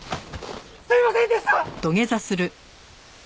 すいませんでした！